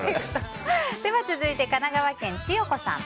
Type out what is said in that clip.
続いて神奈川県の方。